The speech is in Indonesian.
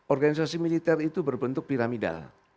organisasi militer itu berbentuk piramidal